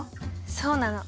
そうなの。